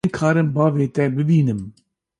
Nikarim bavê te bibînim.